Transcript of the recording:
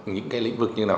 những cái lĩnh vực như là